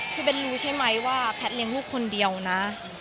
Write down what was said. คือเบนรู้ใช่ไหมว่าแพทย์เลี้ยงลูกคนเดียวนะ